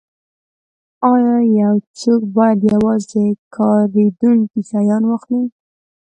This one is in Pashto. ایا یو څوک باید یوازې کاریدونکي شیان واخلي